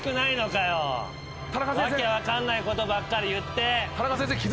訳分かんないことばっかり言って。